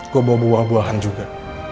gue bawa buah buahan juga